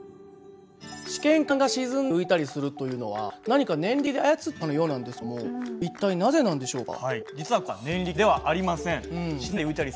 試験管が沈んだり浮いたりするというのは何か念力で操ってるかのようなんですけども一体なぜなんでしょうか？